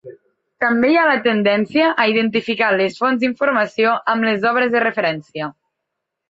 També hi ha la tendència a identificar les fonts d'informació amb les obres de referència.